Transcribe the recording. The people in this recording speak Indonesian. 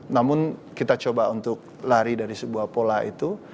namun kita coba untuk lari dari sebuah pola itu